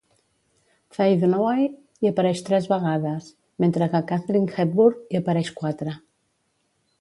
Faye Dunaway hi apareix tres vegades, mentre que Katharine Hepburn hi apareix quatre.